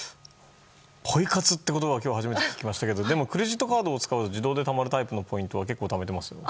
ポイ活っていう言葉を今日初めて聞きましたけどクレジットカードを使うと自動でたまるタイプのポイントは結構ためてますよ。